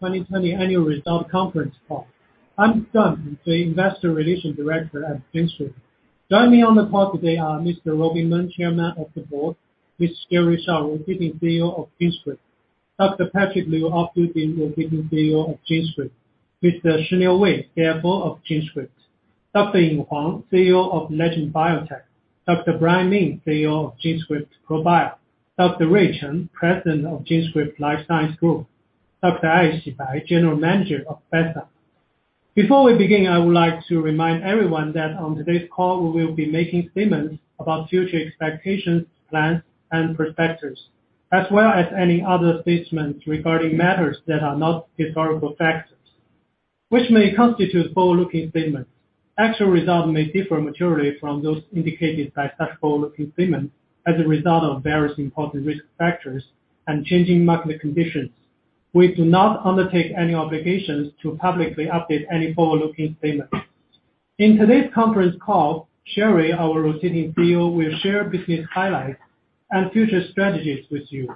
2020 Annual Result Conference Call. I'm Duan Pengfei, Investor Relations Director at GenScript. Joining me on the call today are Mr. Robin Meng, Chairman of the Board, Ms. Sherry Shao, Rotating CEO of GenScript, Dr. Patrick Liu, Operating Rotating CEO of GenScript, Mr. Shiniu Wei, CFO of GenScript, Dr. Ying Huang, CEO of Legend Biotech, Dr. Brian Min, CEO of GenScript ProBio, Dr. Ray Chen, President of GenScript Life Science Group, Dr. Aixi Bai, General Manager of Bestzyme. Before we begin, I would like to remind everyone that on today's call, we will be making statements about future expectations, plans, and perspectives, as well as any other statements regarding matters that are not historical factors, which may constitute forward-looking statements. Actual results may differ materially from those indicated by such forward-looking statements as a result of various important risk factors and changing market conditions. We do not undertake any obligations to publicly update any forward-looking statements. In today's conference call, Sherry, our Rotating CEO, will share business highlights and future strategies with you.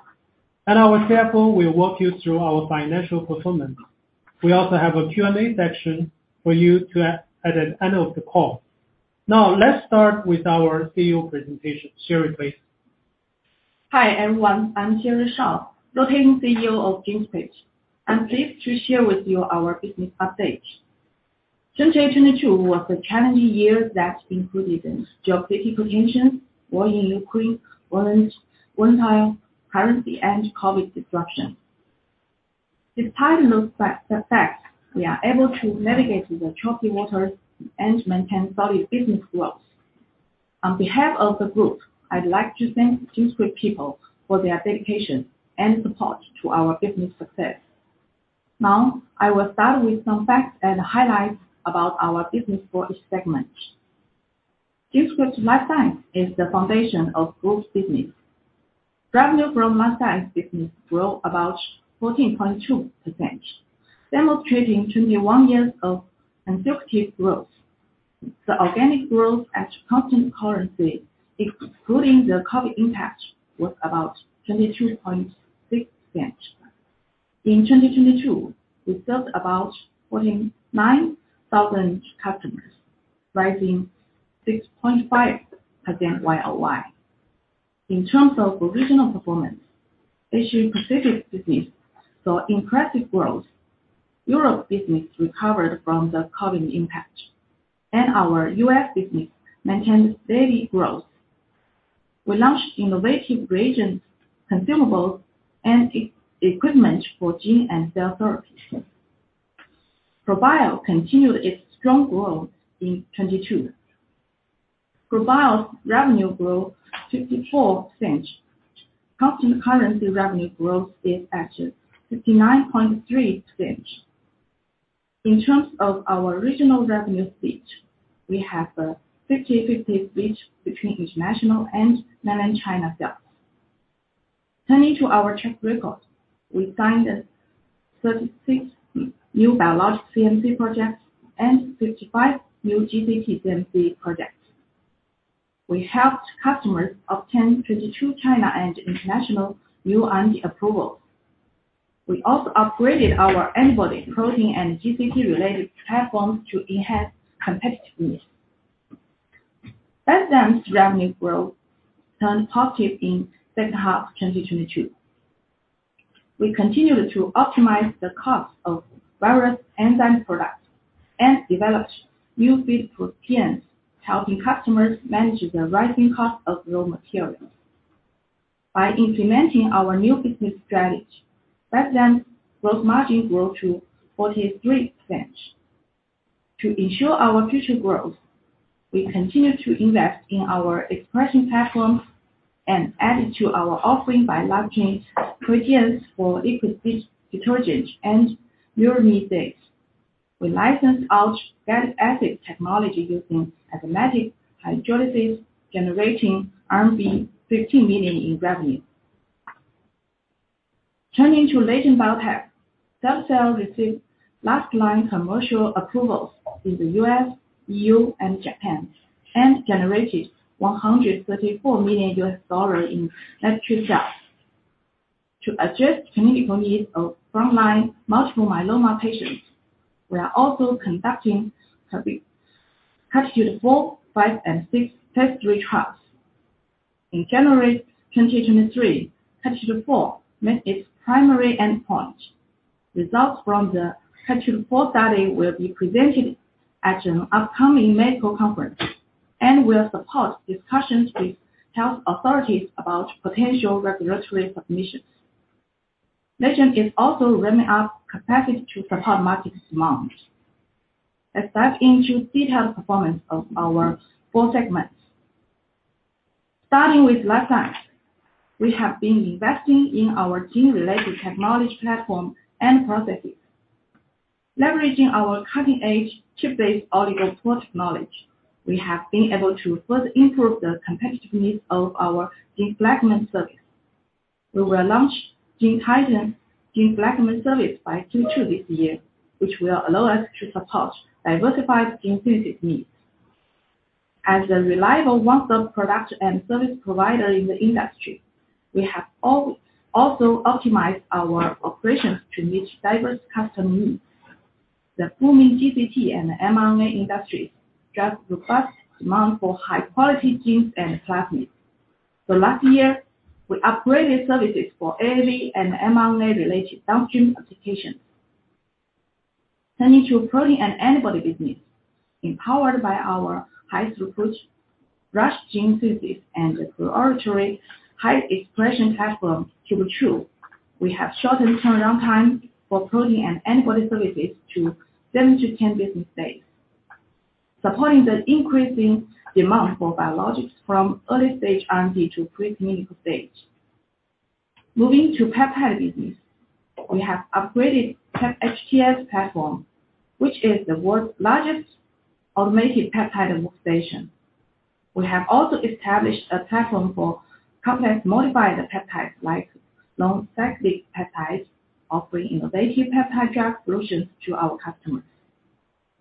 Our CFO will walk you through our financial performance. We also have a Q&A section for you at the end of the call. Let's start with our CEO presentation. Sherry, please. Hi, everyone. I'm Sherry Shao, Rotating CEO of GenScript. I'm pleased to share with you our business update. 2022 was a challenging year that included geopolitical tensions, war in Ukraine, volatile currency, and COVID disruption. Despite those facts, we are able to navigate through the choppy waters and maintain solid business growth. On behalf of the group, I'd like to thank GenScript people for their dedication and support to our business success. I will start with some facts and highlights about our business for each segment. GenScript Life Science is the foundation of group business. Revenue from Life Science business grew about 14.2%, demonstrating 21 years of consecutive growth. The organic growth at constant currency, excluding the COVID impact, was about 22.6%. In 2022, we served about 49,000 customers, rising 6.5% Y-o-Y. In terms of regional performance, Asia Pacific business saw impressive growth. Europe business recovered from the COVID impact. Our US business maintained steady growth. We launched innovative reagent consumables and equipment for gene and cell therapies. ProBio continued its strong growth in 2022. ProBio's revenue grew 54%. Constant currency revenue growth is at 59.3%. In terms of our regional revenue split, we have a 50/50 split between international and Mainland China sales. Turning to our check records, we signed 36 new biologic CMC projects and 55 new GCT CMC projects. We helped customers obtain 22 China and international new IND approvals. We also upgraded our antibody, protein, and GCT-related platforms to enhance competitiveness. Bestzyme's revenue growth turned positive in H2 2022. We continued to optimize the cost of various enzyme products and developed new fit proteins, helping customers manage the rising cost of raw materials. By implementing our new business strategy, Bestzyme's gross margin grew to 43%. To ensure our future growth, we continue to invest in our expression platforms and added to our offering by launching proteins for liquid detergent and muramidase. We licensed out fatty acid technology using enzymatic hydrolysis, generating RMB 15 million in revenue. Turning to Legend Biotech, cilta-cel received last line commercial approvals in the US, EU, and Japan, and generated $134 million in net sales. To address clinical needs of frontline multiple myeloma patients, we are also conducting clinical CARTITUDE-4, -5, and -6 Phase III trials. In January 2023, CARTITUDE-4 met its primary endpoint. Results from the CARTITUDE-4 study will be presented at an upcoming medical conference and will support discussions with health authorities about potential regulatory submissions. Legend is also ramping up capacity to support market demand. Let's dive into detailed performance of our four segments. Starting with Life Science, we have been investing in our gene-related technology platform and processes. Leveraging our cutting-edge chip-based oligo support technology, we have been able to further improve the competitiveness of our Gene Fragments service. We will launch GenTitan Gene Fragments service by Q2 this year, which will allow us to support diversified gene synthesis needs. As a reliable one-stop product and service provider in the industry, we have also optimized our operations to meet diverse customer needs. The booming GCT and mRNA industry drives robust demand for high-quality genes and plasmids. Last year, we upgraded services for AAV and mRNA-related downstream applications. Turning to protein and antibody business. Empowered by our high-throughput Rush Gene Synthesis and the laboratory high expression platform Turbo CHO, we have shortened turnaround time for protein and antibody services to 7 to 10 business days, supporting the increasing demand for biologics from early stage R&D to pre-clinical stage. Moving to peptide business. We have upgraded PepHTS platform, which is the world's largest automated peptide workstation. We have also established a platform for complex modified peptides like non-peptidic peptides, offering innovative peptide drug solutions to our customers.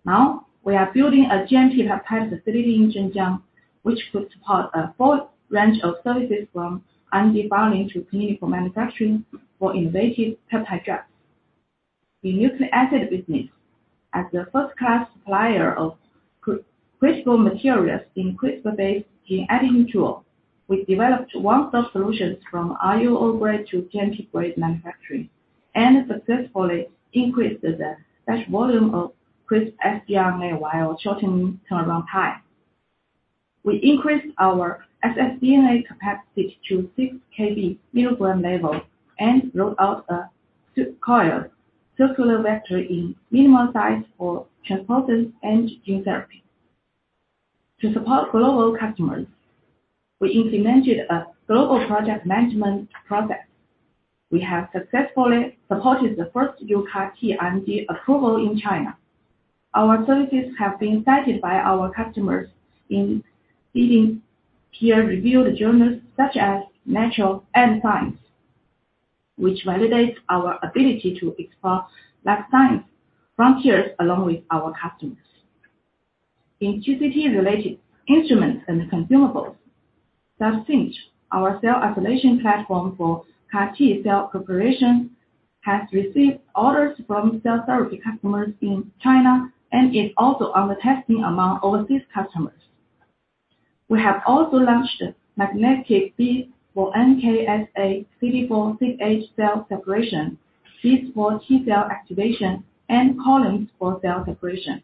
Now, we are building a GMP peptide facility in Zhenjiang, which could support a full range of services from R&D filing to clinical manufacturing for innovative peptide drugs. In nucleic acid business, as a first-class supplier of CRISPR materials in CRISPR-based gene editing tool, we developed one-stop solutions from RUO grade to GMP-grade manufacturing, successfully increased the batch volume of CRISPR sgRNA while shortening turnaround time. We increased our ssDNA capacity to 6 KB milligram level, rolled out a supercoiled circular vector in minimal size for transposons and gene therapy. To support global customers, we implemented a global project management process. We have successfully supported the first UCAR-T IND approval in China. Our services have been cited by our customers in leading peer-reviewed journals such as Nature and Science, which validates our ability to explore life science frontiers along with our customers. In GCT-related instruments and consumables. CytoSinct, our cell isolation platform for CAR-T cell preparation, has received orders from cell therapy customers in China, is also under testing among overseas customers. We have also launched magnetic beads for NK, SA, CD4, CD8 cell separation, beads for T-cell activation, and columns for cell separation.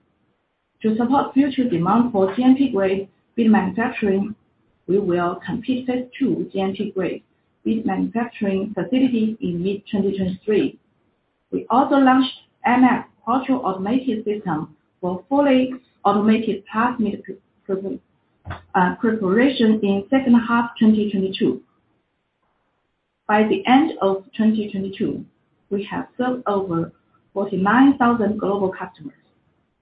To support future demand for GMP-grade bead manufacturing, we will complete the 2 GMP-grade bead manufacturing facilities in mid-2023. We also launched MF partial automated system for fully automated plasmid preparation in H2 2022. By the end of 2022, we have served over 49,000 global customers,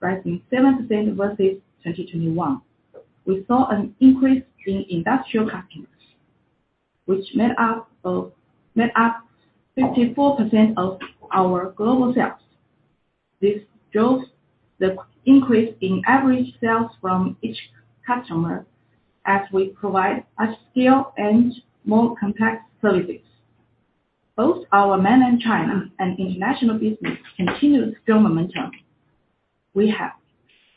rising 7% versus 2021. We saw an increase in industrial customers, which made up 54% of our global sales. This shows the increase in average sales from each customer as we provide upscale and more complex services. Both our mainland China and international business continued strong momentum. We have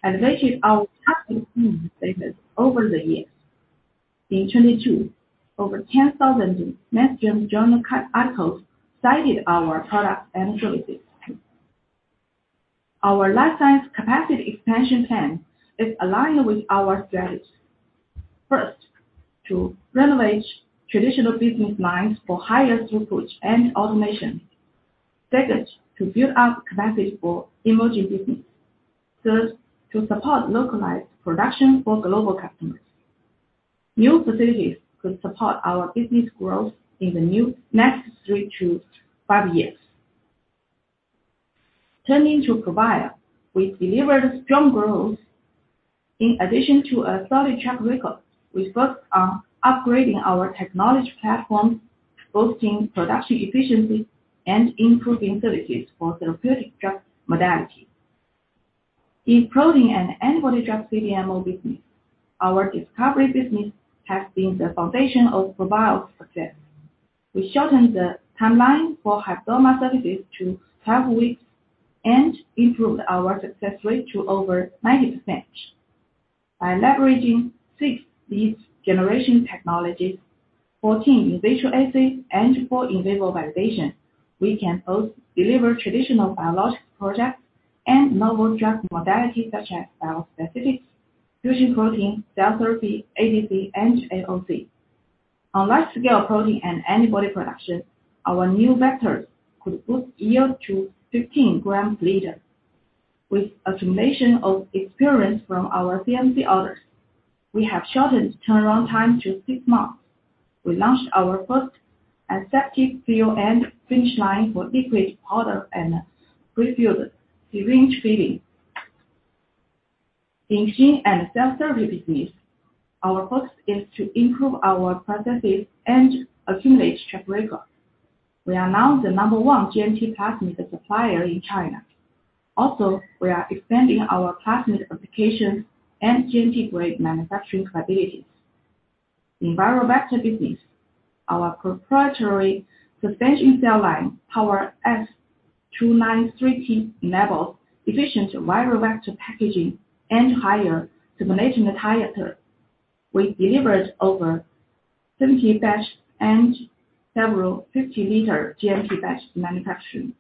elevated our customer service over the years. In 2022, over 10,000 mainstream journal articles cited our products and services. Our life science capacity expansion plan is aligned with our strategy. First, to renovate traditional business lines for higher throughput and automation. Second, to build up capacity for emerging business. Third, to support localized production for global customers. New facilities could support our business growth in the new next 3-5 years. Turning to ProBio, we delivered strong growth. In addition to a solid track record, we focused on upgrading our technology platform, boosting production efficiency, and improving services for therapeutic drug modalities. In protein and antibody drug CDMO business, our discovery business has been the foundation of ProBio's success. We shortened the timeline for hybridoma services to 12 weeks, and improved our success rate to over 90%. By leveraging 6 leads generation technologies, 14 in-vitro assays, and four in-vivo validation, we can both deliver traditional biologic products and novel drug modalities such as bispecific, fusion protein, cell therapy, ADC, and AOC. On large-scale protein and antibody production, our new vectors could boost yield to 15 grams/liter. With accumulation of experience from our CMC orders, we have shortened turnaround time to six months. We launched our first aseptic fill and finish line for liquid product and prefilled syringe filling. In gene and cell therapy business, our focus is to improve our processes and accumulate track record. We are now the number 1 GMP plasmid supplier in China. We are expanding our plasmid application and GMP-grade manufacturing capabilities. In viral vector business, our proprietary suspension cell line, PowerS-293T, enables efficient viral vector packaging and higher supernatant titer. We delivered over 70 batch and several 50-liter GMP batch manufacturing.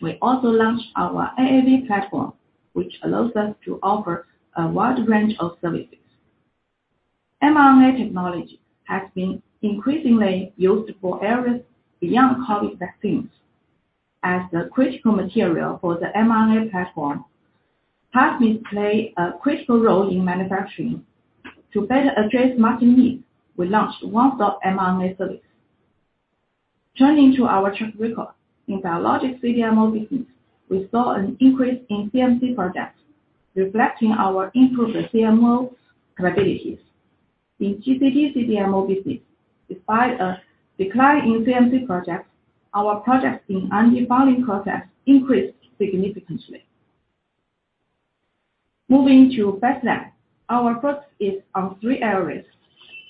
We also launched our AAV platform, which allows us to offer a wide range of services. mRNA technology has been increasingly used for areas beyond COVID vaccines. As the critical material for the mRNA platform, plasmids play a critical role in manufacturing. To better address market needs, we launched one-stop mRNA service. Turning to our track record. In biologics CDMO business, we saw an increase in CMC projects, reflecting our improved CMO capabilities. In GCT CDMO business, despite a decline in CMC projects, our projects in R&D filing process increased significantly. Moving to Bestzyme, our focus is on three areas.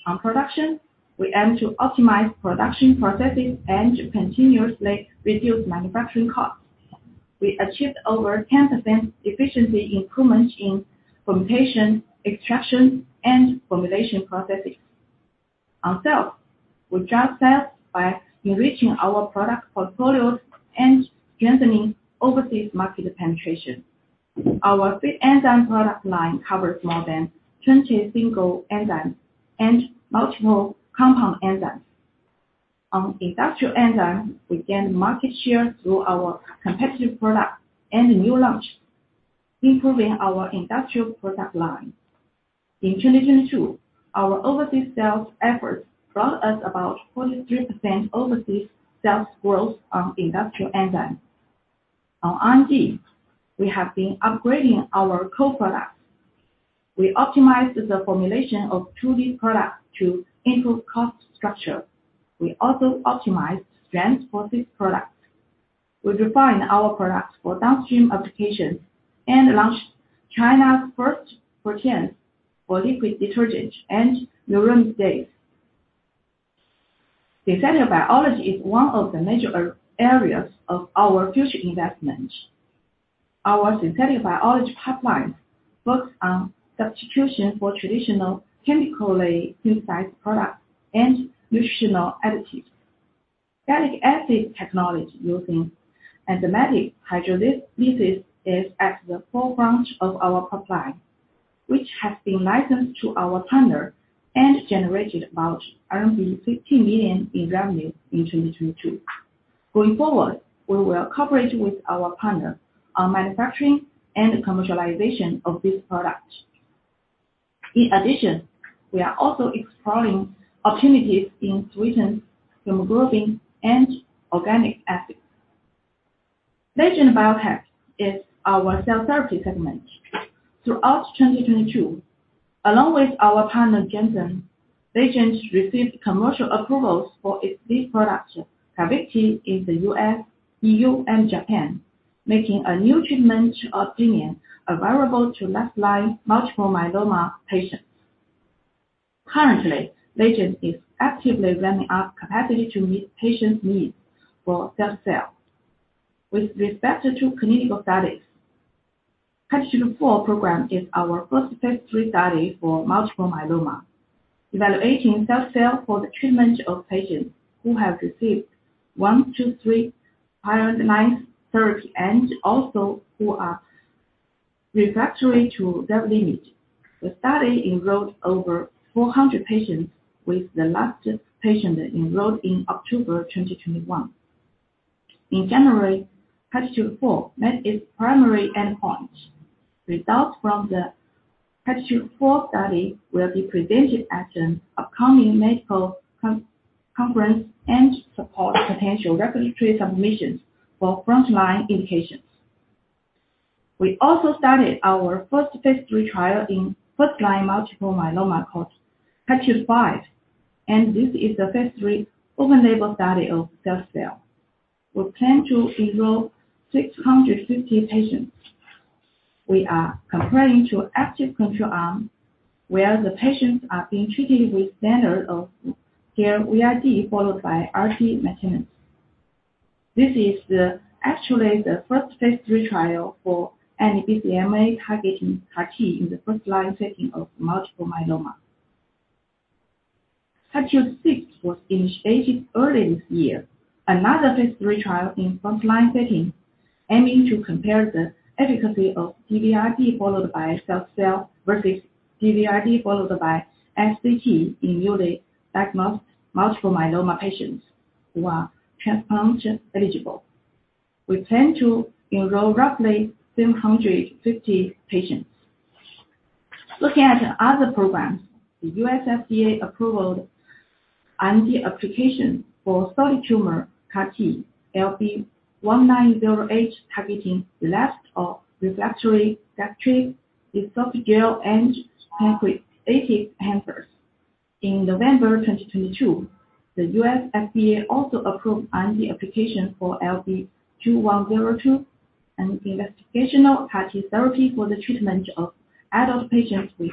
On production, we aim to optimize production processes and continuously reduce manufacturing costs. We achieved over 10% efficiency improvements in fermentation, extraction, and formulation processes. On sales, we drive sales by enriching our product portfolios and strengthening overseas market penetration. Our free enzyme product line covers more than 20 single enzymes and multiple compound enzymes. On industrial enzyme, we gain market share through our competitive products and new launch, improving our industrial product line. In 2022, our overseas sales efforts brought us about 43% overseas sales growth on industrial enzymes. On R&D, we have been upgrading our core products. We optimized the formulation of 2 lead products to improve cost structure. We also optimized strength for six products. We refined our products for downstream applications and launched China's first protein for liquid detergent and muramidase. Synthetic biology is one of the major areas of our future investment. Our synthetic biology pipeline works on substitution for traditional chemically synthesized products and nutritional additives. Fatty acid technology using enzymatic hydrolysis is at the forefront of our pipeline, which has been licensed to our partner and generated about 15 million in revenue in 2022. Going forward, we will cooperate with our partner on manufacturing and commercialization of this product. In addition, we are also exploring opportunities in glycated hemoglobin and organic acids. Legend Biotech is our cell therapy segment. Throughout 2022, along with our partner, Janssen, Legend received commercial approvals for its lead production, CARVYKTI, in the US, EU, and Japan, making a new treatment option available to frontline multiple myeloma patients. Currently, Legend is actively ramping up capacity to meet patients' needs for cilta-cel. With respect to two clinical studies, CARTITUDE-4 program is our first Phase III study for multiple myeloma, evaluating cilta-cel for the treatment of patients who have received 1, 2, 3 prior line therapy and also who are refractory to Revlimid. The study enrolled over 400 patients, with the last patient enrolled in October 2021. In January, CARTITUDE-4 met its primary endpoint. Results from the CARTITUDE-4 study will be presented at an upcoming medical conference and support potential regulatory submissions for frontline indications. We also started our first Phase III trial in first-line multiple myeloma called CARTITUDE-5, and this is the Phase III open label study of cilta-cel. We plan to enroll 650 patients. We are comparing to active control arm, where the patients are being treated with standard of VRd followed by Rd maintenance. This is actually the first Phase III trial for an BCMA-targeting CAR-T in the first-line setting of multiple myeloma. CARTITUDE-6 was initiated early this year. Another Phase III trial in frontline setting, aiming to compare the efficacy of DVRd followed by cilta-cel versus DVRd followed by ASCT in newly diagnosed multiple myeloma patients who are transplant-eligible. We plan to enroll roughly 750 patients. Looking at other programs, the US FDA approved R&D application for solid tumor CAR-T, LB1908, targeting relapsed or refractory gastric esophageal and pancreatic cancers. In November 2022, the US FDA also approved IND application for LB2102, an investigational CAR-T therapy for the treatment of adult patients with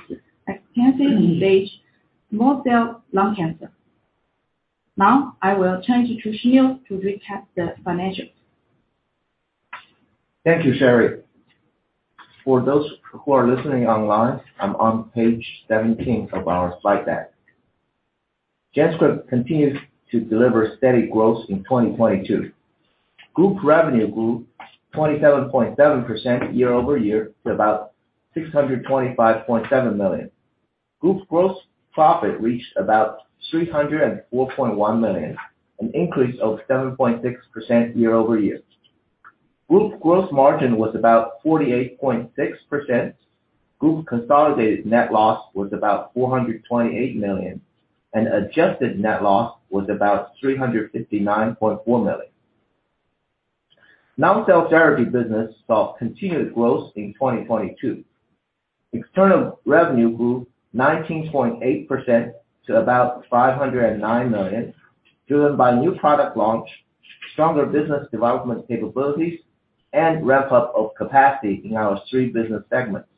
extensive-stage small cell lung cancer. I will turn it to Shiniu to recap the financials. Thank you, Sherry. For those who are listening online, I'm on page 17 of our slide deck. GenScript continues to deliver steady growth in 2022. Group revenue grew 27.7% year-over-year to about $625.7 million. Group's gross profit reached about $304.1 million, an increase of 7.6% year-over-year. Group gross margin was about 48.6%. Group consolidated net loss was about $428 million, and adjusted net loss was about $359.4 million. Non-cell therapy business saw continued growth in 2022. External revenue grew 19.8% to about $509 million, driven by new product launch, stronger business development capabilities, and ramp up of capacity in our three business segments.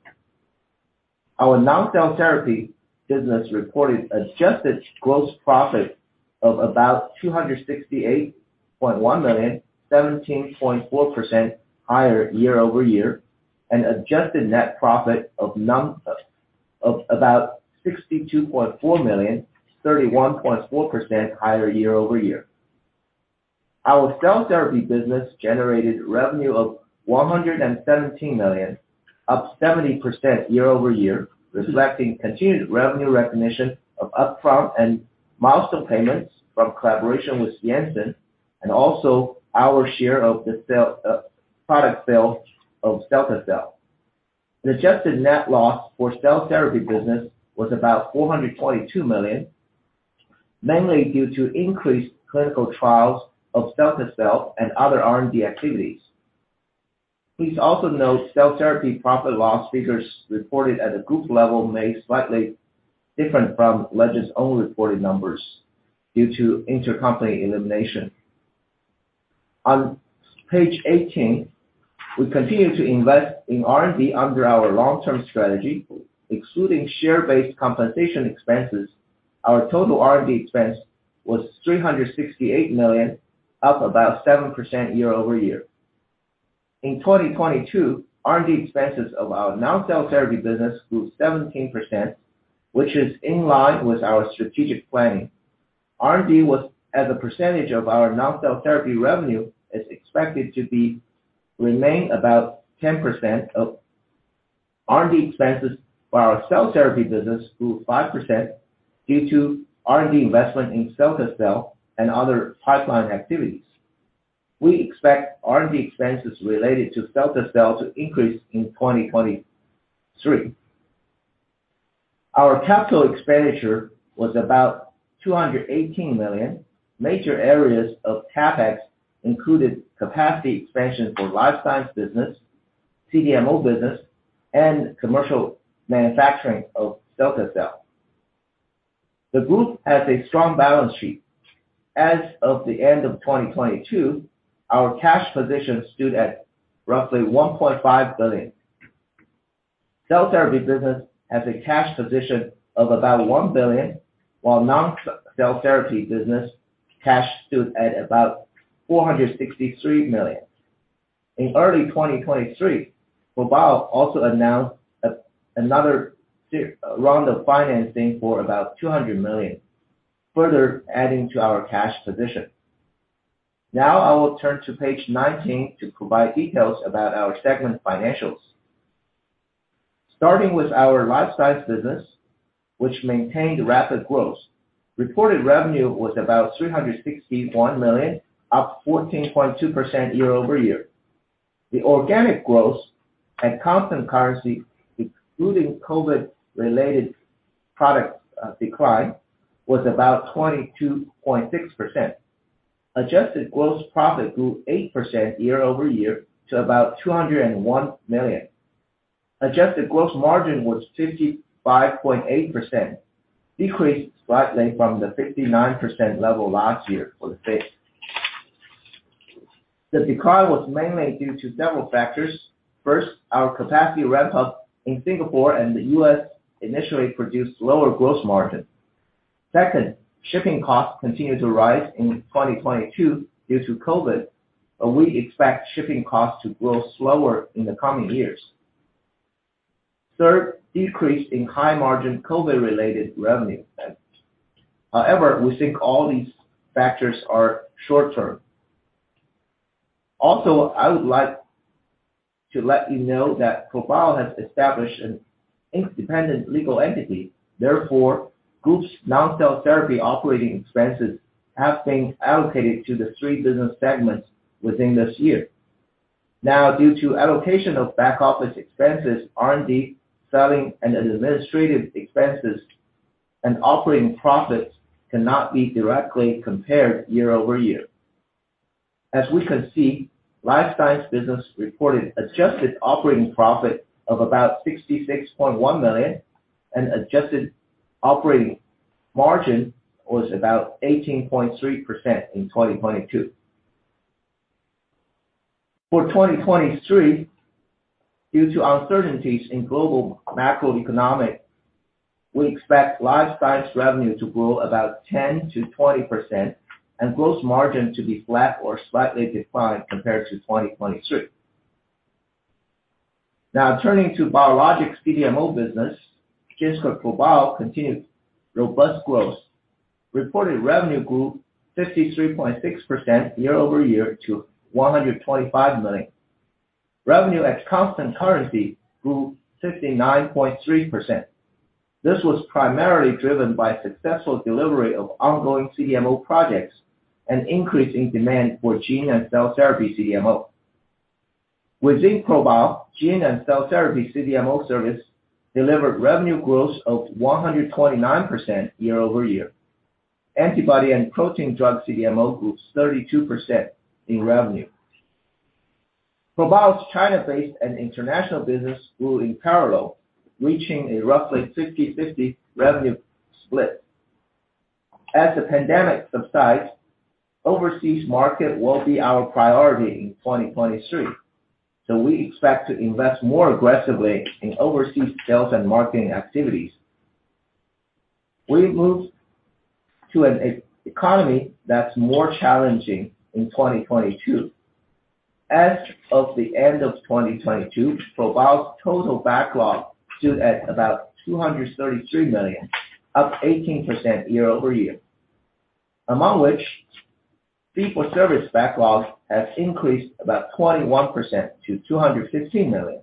Our non-cell therapy business reported adjusted gross profit of about $268.1 million, 17.4% higher year-over-year, and adjusted net profit of about $62.4 million, 31.4% higher year-over-year. Our cell therapy business generated revenue of $117 million, up 70% year-over-year, reflecting continued revenue recognition of upfront and milestone payments from collaboration with Janssen, and also our share of the sale, product sale of cilta-cel. The adjusted net loss for cell therapy business was about $422 million, mainly due to increased clinical trials of cilta-cel and other R&D activities. Please also note cell therapy profit loss figures reported at a group level may slightly different from Legend's own reported numbers due to intercompany elimination. On page 18, we continue to invest in R&D under our long-term strategy. Excluding share-based compensation expenses, our total R&D expense was $368 million, up about 7% year-over-year. In 2022, R&D expenses of our non-cell therapy business grew 17%, which is in line with our strategic planning. R&D as a percentage of our non-cell therapy revenue is expected to remain about 10% of R&D expenses, while our cell therapy business grew 5% due to R&D investment in cilta-cel and other pipeline activities. We expect R&D expenses related to cilta-cel to increase in 2023. Our CapEx was about $218 million. Major areas of CapEx included capacity expansion for Life Science business, CDMO business, and commercial manufacturing of cilta-cel. The Group has a strong balance sheet. As of the end of 2022, our cash position stood at roughly $1.5 billion. Cell therapy business has a cash position of about $1 billion, while non-cell therapy business cash stood at about $463 million. In early 2023, ProBio also announced another round of financing for about $200 million, further adding to our cash position. Now, I will turn to page 19 to provide details about our segment financials. Starting with our Life Science business, which maintained rapid growth. Reported revenue was about $361 million, up 14.2% year-over-year. The organic growth at constant currency, excluding COVID related products, decline, was about 22.6%. Adjusted gross profit grew 8% year-over-year to about $201 million. Adjusted gross margin was 55.8%, decreased slightly from the 59% level last year for the 5th. The decline was mainly due to several factors. First, our capacity ramp up in Singapore and the U.S. initially produced lower gross margin. Second, shipping costs continued to rise in 2022 due to COVID, but we expect shipping costs to grow slower in the coming years. Third, decrease in high margin COVID related revenue. However, we think all these factors are short term. I would like to let you know that ProBio has established an independent legal entity. Therefore, group's non-cell therapy operating expenses have been allocated to the three business segments within this year. Due to allocation of back office expenses, R&D, selling and administrative expenses and operating profits cannot be directly compared year-over-year. Life Science business reported adjusted operating profit of about $66.1 million and adjusted operating margin was about 18.3% in 2022. Due to uncertainties in global macroeconomic, we expect Life Science revenue to grow about 10%-20% and gross margin to be flat or slightly declined compared to 2023. Turning to Biologics CDMO business. GenScript ProBio continued robust growth. Reported revenue grew 53.6% year-over-year to $125 million. Revenue at constant currency grew 59.3%. This was primarily driven by successful delivery of ongoing CDMO projects and increase in demand for gene and cell therapy CDMO. Within ProBio, gene and cell therapy CDMO service delivered revenue growth of 129% year-over-year. Antibody and protein drug CDMO groups 32% in revenue. ProBio's China-based and international business grew in parallel, reaching a roughly 50/50 revenue split. As the pandemic subsides, overseas market will be our priority in 2023, we expect to invest more aggressively in overseas sales and marketing activities. We moved to an e-economy that's more challenging in 2022. As of the end of 2022, ProBio's total backlog stood at about $233 million, up 18% year-over-year. Among which, fee for service backlogs has increased about 21% to $215 million.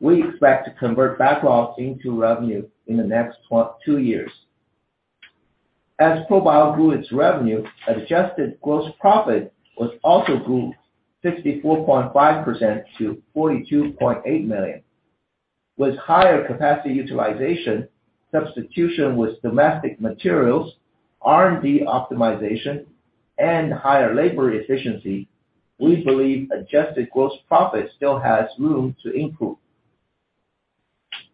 We expect to convert backlogs into revenue in the next 2 years. As ProBio grew its revenue, adjusted gross profit was also grew 64.5% to $42.8 million. With higher capacity utilization, substitution with domestic materials, R&D optimization, and higher labor efficiency, we believe adjusted gross profit still has room to improve.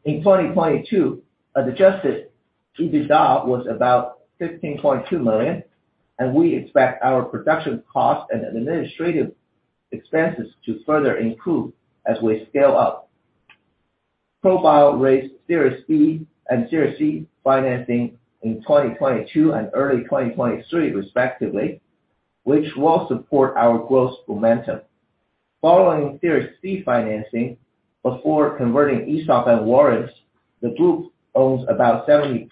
In 2022, adjusted EBITDA was about $15.2 million, and we expect our production costs and administrative expenses to further improve as we scale up. ProBio raised Series B and Series C financing in 2022 and early 2023 respectively, which will support our growth momentum. Following Series C financing, before converting ESOP and warrants, the group owns about 70%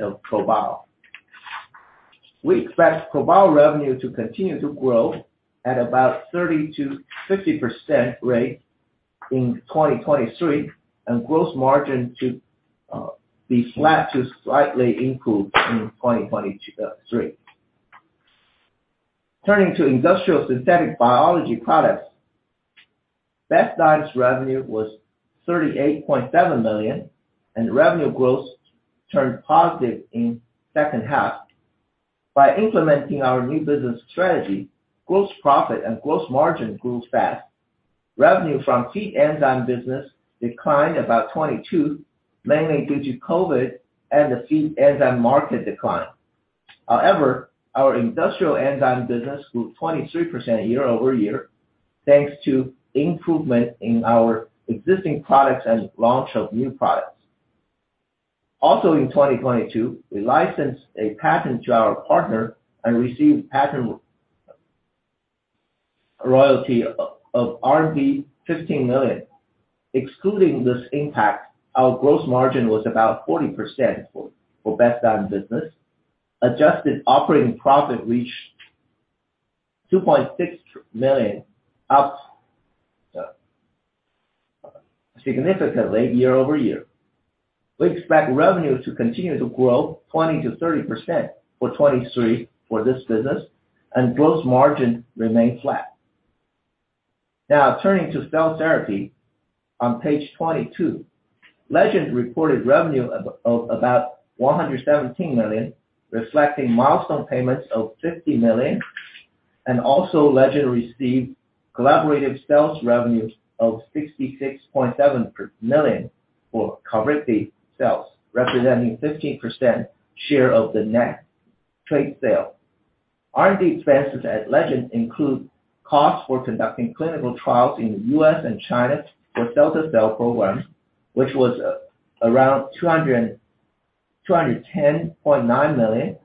of ProBio. We expect ProBio revenue to continue to grow at about 30%-50% rate in 2023, and gross margin to be flat to slightly improve in 2023. Turning to industrial synthetic biology products. Bestzyme revenue was $38.7 million, and revenue growth turned positive in H2. By implementing our new business strategy, gross profit and gross margin grew fast. Revenue from feed enzyme business declined about 22%, mainly due to COVID and the feed enzyme market decline. However, our industrial enzyme business grew 23% year-over-year, thanks to improvement in our existing products and launch of new products. Also in 2022, we licensed a patent to our partner and received patent royalty of 15 million. Excluding this impact, our gross margin was about 40% for Bestzyme business. Adjusted operating profit reached $2.6 million, up significantly year-over-year. We expect revenue to continue to grow 20%-30% for 2023 for this business and gross margin remain flat. Now turning to cell therapy on page 22. Legend reported revenue of about $117 million, reflecting milestone payments of $50 million. Also Legend received collaborative sales revenue of $66.7 million for CARVYKTI sales, representing 15% share of the net trade sale. R&D expenses at Legend include costs for conducting clinical trials in US and China for cilta-cel programs, which was around $210.9 million.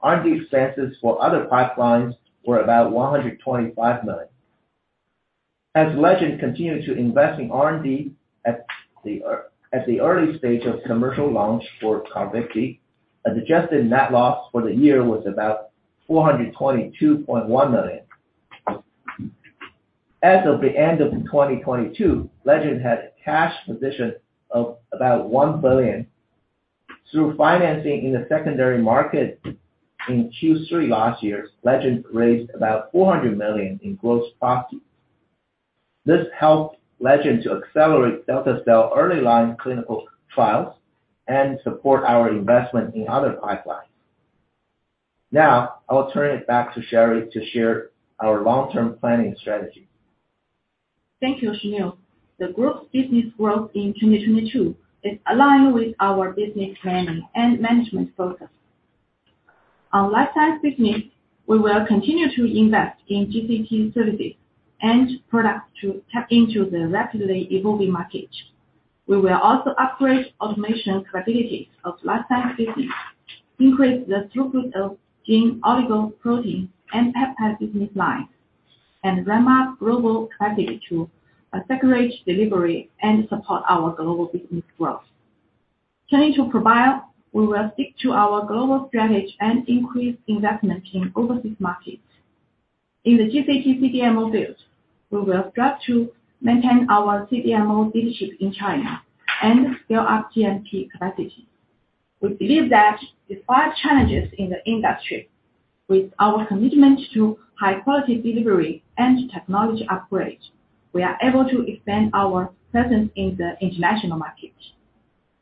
R&D expenses for other pipelines were about $125 million. As Legend continued to invest in R&D at the early stage of commercial launch for CARVYKTI, adjusted net loss for the year was about $422.1 million. As of the end of 2022, Legend had a cash position of about $1 billion. Through financing in the secondary market in Q3 last year, Legend raised about $400 million in gross profit. This helped Legend to accelerate cilta-cel early line clinical trials and support our investment in other pipelines. Now I'll turn it back to Sherry to share our long-term planning strategy. Thank you, Shiniu. The group's business growth in 2022 is aligned with our business planning and management focus. Life science business, we will continue to invest in GCT services and products to tap into the rapidly evolving market. We will also upgrade automation capabilities of life science business, increase the throughput of gene oligo protein and peptide business line, and ramp up global capacity to accelerate delivery and support our global business growth. Turning to ProBio, we will stick to our global strategy and increase investment in overseas markets. In the GCT CDMO field, we will strive to maintain our CDMO leadership in China and scale up GMP capacity. We believe that despite challenges in the industry, with our commitment to high quality delivery and technology upgrade, we are able to expand our presence in the international market.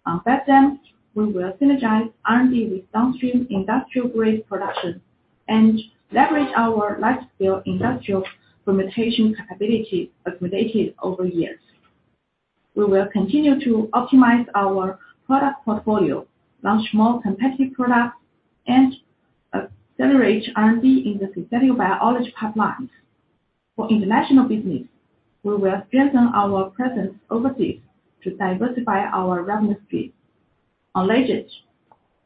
On Bestzyme, we will synergize R&D with downstream industrial-grade production and leverage our large-scale industrial fermentation capability accumulated over years. We will continue to optimize our product portfolio, launch more competitive products, and accelerate R&D in the synthetic biology pipelines. For international business, we will strengthen our presence overseas to diversify our revenue stream. On Legend,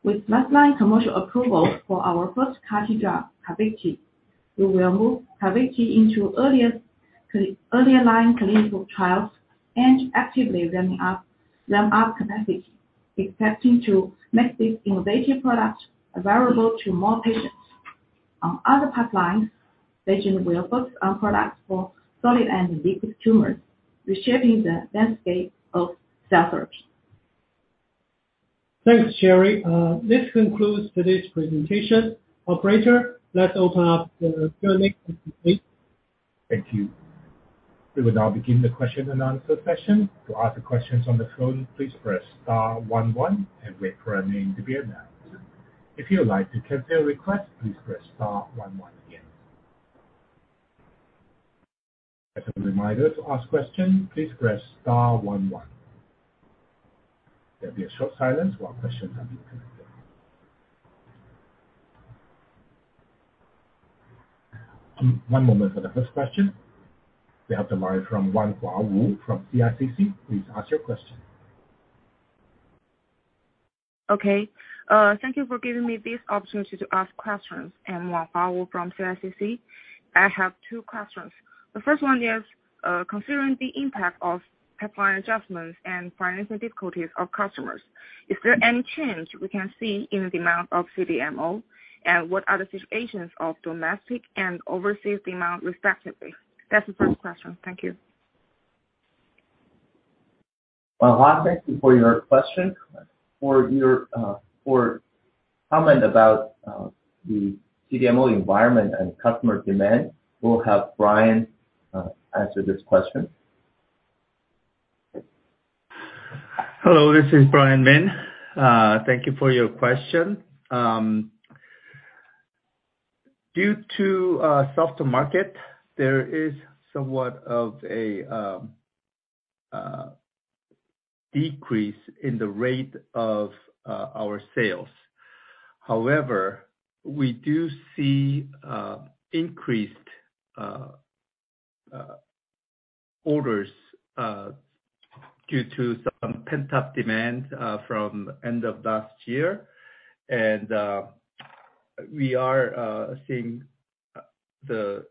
with recent commercial approval for our first CAR-T drug, CARVYKTI, we will move CARVYKTI into earliest early line clinical trials and actively ramp up capacity, expecting to make this innovative product available to more patients. On other pipelines, Legend will focus on products for solid and liquid tumors, reshaping the landscape of cell therapy. Thanks, Sherry. This concludes today's presentation. Operator, let's open up the phone line Thank you. We will now begin the question-and-answer session. To ask questions on the phone, please press star one one and wait for your name to be announced. If you would like to cancel a request, please press star one one again. As a reminder to ask question, please press star one one. There'll be a short silence while questions are being collected. One moment for the first question. We have the line from Wanhua Wu from CICC. Please ask your question. Okay. Thank you for giving me this opportunity to ask questions. I'm Wanhua Wu from CICC. I have two questions. The first one is, considering the impact of pipeline adjustments and financing difficulties of customers, is there any change we can see in the amount of CDMO? What are the situations of domestic and overseas demand respectively? That's the first question. Thank you. Wanhua, thank you for your question. For your, for comment about, the CDMO environment and customer demand, we'll have Brian answer this question. Hello, this is Brian Min. Thank you for your question. Due to softer market, there is somewhat of a decrease in the rate of our sales. However, we do see increased orders due to some pent-up demand from end of last year. We are seeing some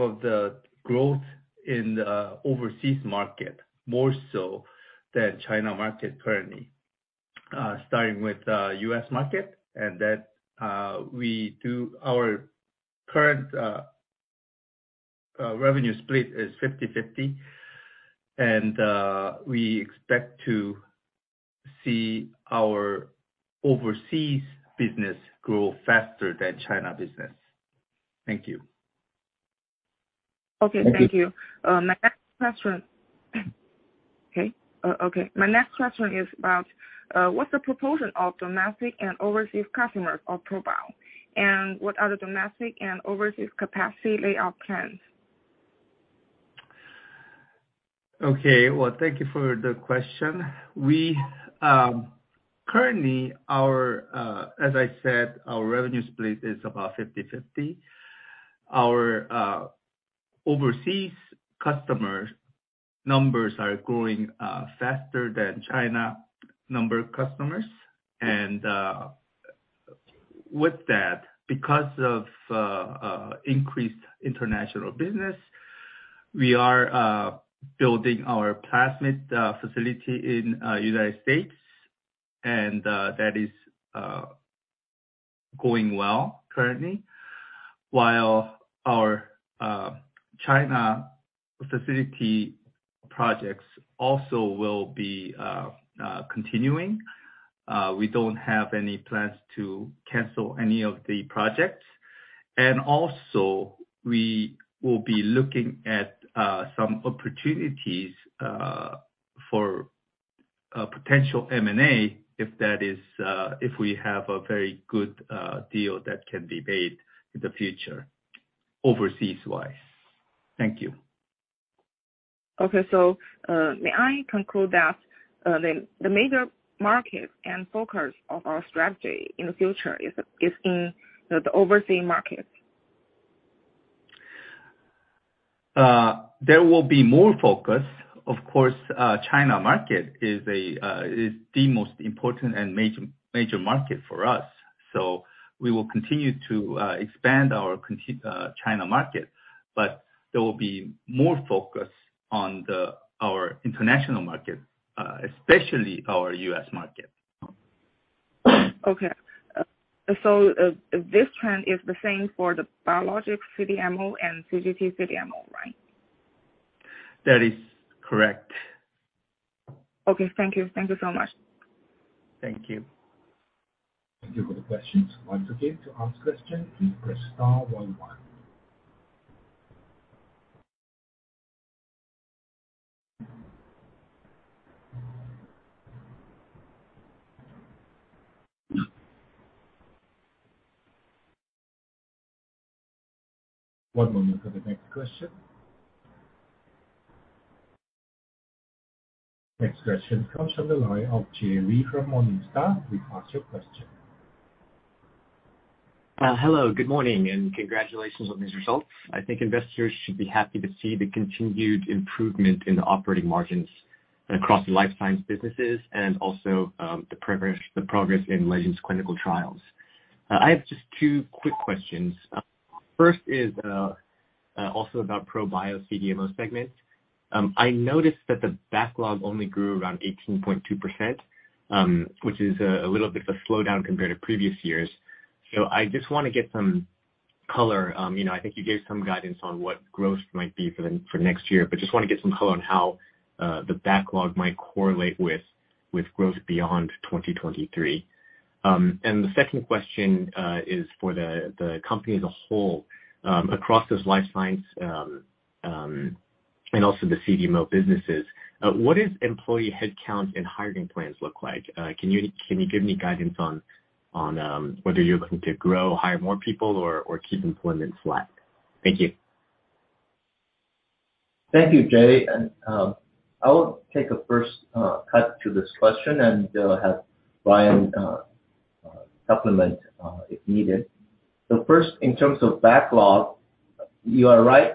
of the growth in the overseas market more so than China market currently, starting with U.S. market, and that we do our current revenue split is 50/50, and we expect to see our overseas business grow faster than China business. Thank you. Okay. Thank you. Thank you. My next question is about what's the proportion of domestic and overseas customers of ProBio? What are the domestic and overseas capacity layout plans? Okay. Well, thank you for the question. We currently our, as I said, our revenue split is about 50/50. Our overseas customer numbers are growing faster than China number of customers. With that, because of increased international business, we are building our plasmid facility in United States, and that is going well currently. While our China facility projects also will be continuing. We don't have any plans to cancel any of the projects. Also, we will be looking at some opportunities for a potential M&A if that is, if we have a very good deal that can be made in the future overseas-wise. Thank you. Okay. May I conclude that the major market and focus of our strategy in the future is in, you know, the overseeing market? There will be more focus. Of course, China market is a, is the most important and major market for us. We will continue to, expand our China market. There will be more focus on the, our international market, especially our U.S. market. Okay. This trend is the same for the biologic CDMO and CGT CDMO, right? That is correct. Okay. Thank you. Thank you so much. Thank you. Thank you for the questions. Once again, to ask questions, please press star one one. One moment for the next question. Next question comes from the line of Jay Lee from Morningstar. Please ask your question. Hello, good morning, and congratulations on these results. I think investors should be happy to see the continued improvement in the operating margins across the Life Science businesses and also the progress in Legend Biotech's clinical trials. I have just two quick questions. First is also about ProBio's CDMO segment. I noticed that the backlog only grew around 18.2%, which is a little bit of a slowdown compared to previous years. I just wanna get some color. You know, I think you gave some guidance on what growth might be for the, for next year, but just wanna get some color on how the backlog might correlate with growth beyond 2023. The second question is for the company as a whole, across those Life Science, and also the CDMO businesses, what does employee headcount and hiring plans look like? Can you give me guidance on whether you're looking to grow, hire more people, or keep employment flat? Thank you. Thank you, Jay. I will take a first cut to this question and have Brian supplement if needed. First, in terms of backlog, you are right.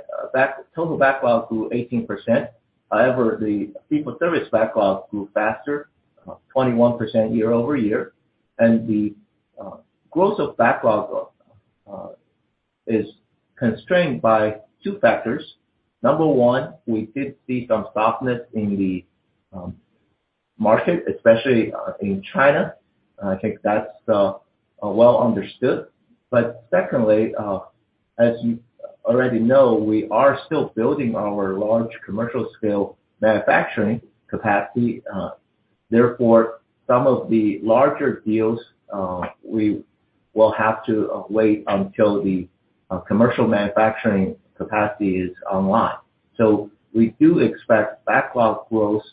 Total backlog grew 18%. However, the fee for service backlog grew faster, 21% year-over-year. The growth of backlog is constrained by two factors. Number one, we did see some softness in the market, especially in China. I think that's well understood. Secondly, as you already know, we are still building our large commercial scale manufacturing capacity. Therefore, some of the larger deals, we will have to wait until the commercial manufacturing capacity is online. We do expect backlog growth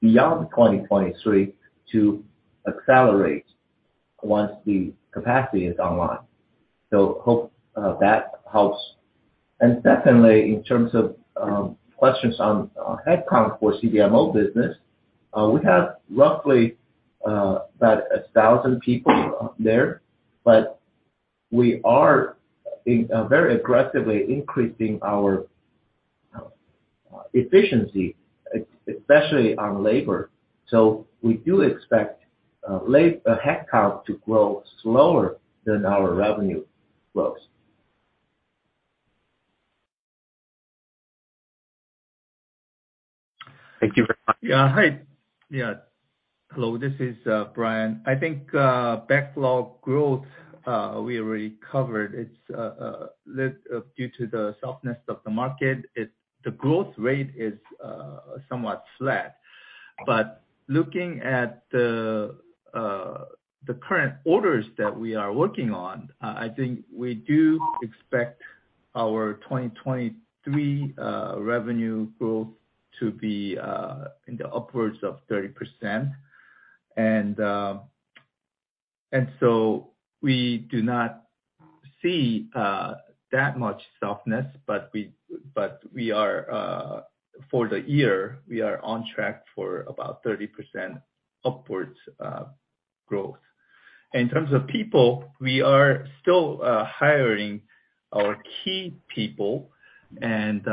beyond 2023 to accelerate once the capacity is online. Hope that helps. Secondly, in terms of questions on headcount for CDMO business, we have roughly about 1,000 people there, but we are very aggressively increasing our efficiency, especially on labor. We do expect headcount to grow slower than our revenue grows. Thank you very much. Yeah. Hi. Yeah. Hello, this is Brian. I think backlog growth we already covered. It's due to the softness of the market. It's, the growth rate is somewhat flat. Looking at the current orders that we are working on, I think we do expect our 2023 revenue growth to be in the upwards of 30%. We do not see that much softness, but we are for the year, we are on track for about 30% upwards growth. In terms of people, we are still hiring our key people, and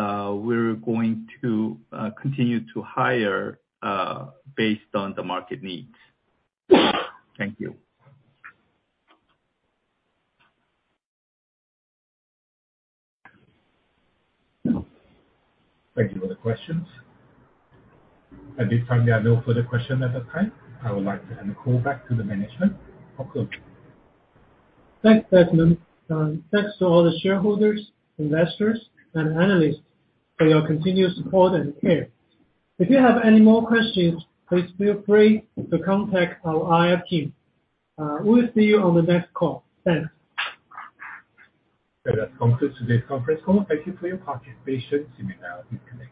we're going to continue to hire based on the market needs. Thank you. Thank you for the questions. At this time, there are no further questions at that time. I would like to hand it back to the management. Thanks, Desmond. Thanks to all the shareholders, investors, and analysts for your continued support and care. If you have any more questions, please feel free to contact our IR team. We'll see you on the next call. Thanks. That concludes today's conference call. Thank you for your participation. You may now disconnect.